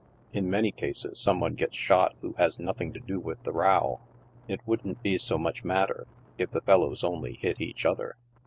In many cases some one gets shot who has nothing to do with the row. It wouldn't be so much mat ter if the fellows only bit each other."